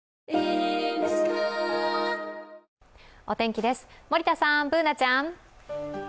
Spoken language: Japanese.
お天気です、森田さん、Ｂｏｏｎａちゃん。